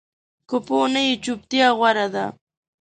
که پوه نه یې، چُپتیا غوره ده